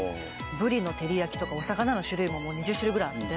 ブリの照り焼きとかお魚の種類も２０種類ぐらいあって。